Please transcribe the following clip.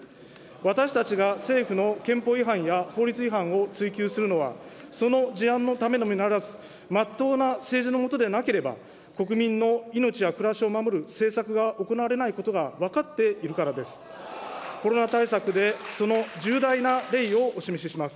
私たちが政府の憲法違反や法律違反を追及するのは、その事案のためのみならず、まっとうな政治の下でなければ、国民の命や暮らしを守る政策が行われないことが分かっているからです。